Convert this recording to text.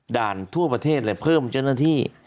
ด่านทั่วประเทศเลยเพิ่มเจ้าหน้าที่